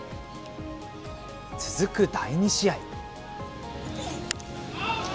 続く第２試合。